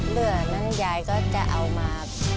เหลือนั้นยายก็จะเอามา